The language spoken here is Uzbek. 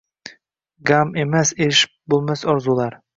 Gam emas erishib bulmas orzular